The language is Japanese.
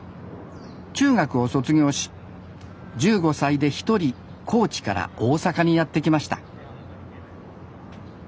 中学を卒業し１５歳で一人高知から大阪にやって来ました